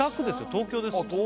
東京です